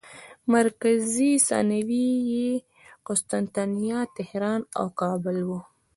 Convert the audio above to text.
مرکز ثانوي یې قسطنطنیه، طهران او کابل وو.